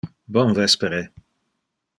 Bon vespere